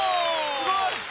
すごい。